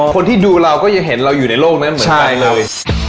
คนที่ดูเราก็ยังเห็นเราอยู่ในโลกนั้นเหมือนใครเลย